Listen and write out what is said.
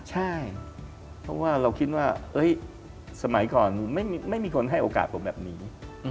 ใช่เพราะว่าเราคิดว่าสมัยก่อนไม่มีคนให้โอกาสผมแบบนี้